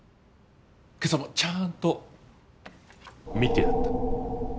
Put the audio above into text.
今朝もちゃあんと見てるんだ。